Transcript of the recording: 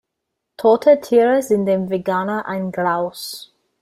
Tote Tiere sind dem Veganer ein Graus.